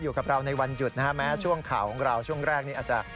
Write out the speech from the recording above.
อยู่กับเราในวันหยุดนะฮะแม้ช่วงข่าวของเราช่วงแรกนี้อาจจะ